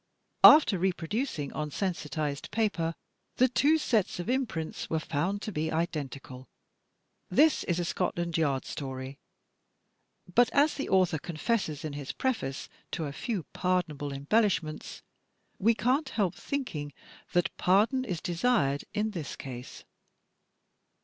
After reproducing on sensitized paper, the two sets of imprints were found to be identical! This is a Scotland Yard story, but as the author confesses in his preface to "a few pardonable embellish ments," we can't help thinking that pardon is desired in this case.